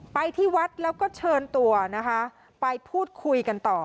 ไปที่วัดแล้วก็เชิญตัวนะคะไปพูดคุยกันต่อ